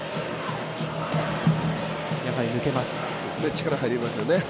力入りますよね。